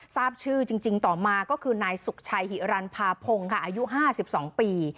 ทราบชื่อจริงต่อมาก็คือนายสุขชัยหิรันภาพงค่ะอายุ๕๒ปี